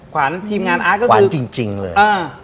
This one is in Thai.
ขวานทีมงานอาร์ตก็คืออเจมส์ขวานจริงเลย